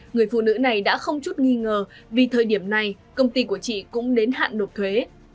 người phụ nữ này đã không chút nghi ngờ vì thời điểm này công ty của chị cũng đến hạn nộp thuế